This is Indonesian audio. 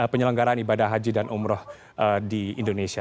penyelenggaran ibadah haji dan umroh di indonesia